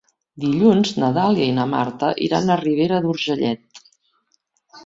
Dilluns na Dàlia i na Marta iran a Ribera d'Urgellet.